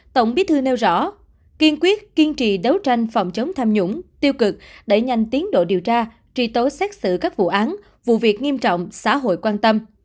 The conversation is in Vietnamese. tổng bí thư nêu rõ kiên quyết kiên trì đấu tranh phòng chống tham nhũng tiêu cực đẩy nhanh tiến độ điều tra truy tố xét xử các vụ án vụ việc nghiêm trọng xã hội quan tâm